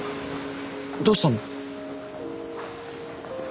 どうしたの？